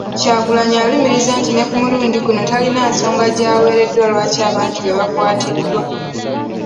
Kyagulanyi alumiriza nti ne ku mulundi guno talina nsonga gy'aweereddwa lwaki abantu be bakwatiddwa.